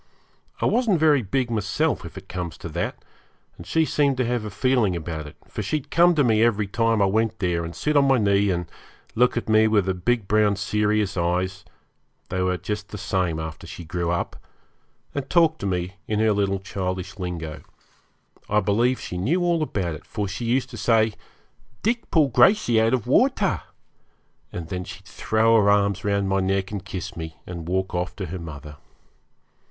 I wasn't very big myself, if it comes to that, and she seemed to have a feeling about it, for she'd come to me every time I went there, and sit on my knee and look at me with her big brown serious eyes they were just the same after she grew up and talk to me in her little childish lingo. I believe she knew all about it, for she used to say, 'Dick pull Gracey out of water;' and then she'd throw her arms round my neck and kiss me, and walk off to her mother.